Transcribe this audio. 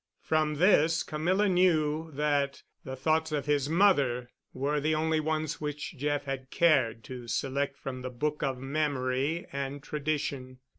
From this Camilla knew that the thoughts of his mother were the only ones which Jeff had cared to select from the book of memory and tradition.